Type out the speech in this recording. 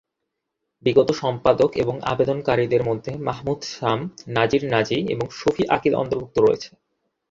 বিগত সম্পাদক এবং অবদানকারীদের মধ্যে মাহমুদ শাম, নাজির নাজি এবং শফি আকিল অন্তর্ভুক্ত রয়েছে।